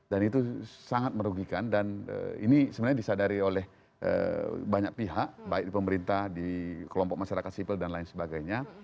dan itu sangat merugikan dan ini sebenarnya disadari oleh banyak pihak baik di pemerintah di kelompok masyarakat sipil dan lain sebagainya